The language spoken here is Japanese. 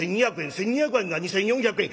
１，２００円が２，４００円。